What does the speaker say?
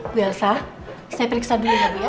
bu elsa saya periksa dulu ya bu ya